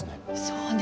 そうね。